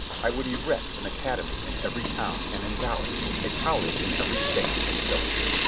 I would erect an academy in every town and endow it ; a college in every State and fill it.